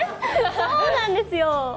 そうなんですよ。